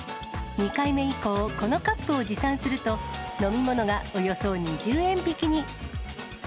２回目以降、このカップを持参すると、飲み物がおよそ２０円引きに。